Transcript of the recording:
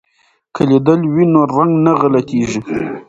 که لیدل وي نو رنګ نه غلطیږي.